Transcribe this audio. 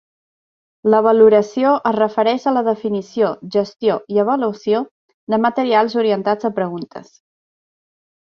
La valoració es refereix a la definició, gestió i avaluació de materials orientats a preguntes.